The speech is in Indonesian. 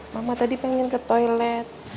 mama tadi pengen ke toilet